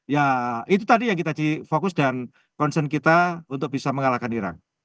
ya itu tadi yang kita jadi fokus dan concern kita untuk bisa mengalahkan irang